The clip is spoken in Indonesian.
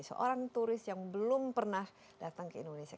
seorang turis yang belum pernah datang ke indonesia